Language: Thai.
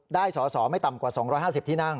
ได้สอสอไม่ต่ำกว่า๒๕๐ที่นั่ง